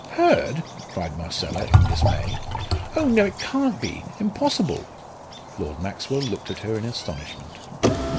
"Hurd!" cried Marcella, in dismay. "Oh no, it can't be impossible!" Lord Maxwell looked at her in astonishment.